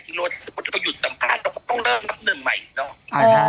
ถ้าสมมติเราหยุดสัมภาษณ์เราก็ต้องเริ่มรับเริ่มใหม่เนอะ